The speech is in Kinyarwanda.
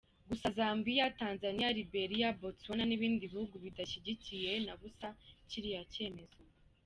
Gusa Zambia, Tanzania, Liberia, Botswana n’ibindi bihugu bidashyigikiye na busa kiriya cyemezo.